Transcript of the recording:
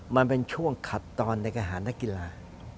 มันเป็นช่วงขัดตอนในการหารนักกีฬา